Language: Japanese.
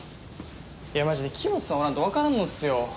いやマジで黄本さんおらんと分からんのっすよ。